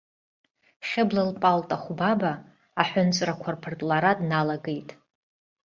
Хьыбла лпалта хәбаба аҳәынҵәрақәа рԥыртлара дналагеит.